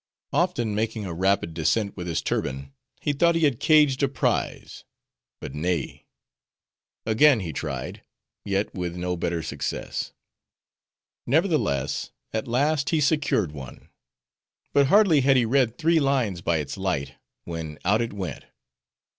Often, making a rapid descent with his turban, he thought he had caged a prize; but nay. Again he tried; yet with no better succcess. Nevertheless, at last he secured one; but hardly had he read three lines by its light, when out it went.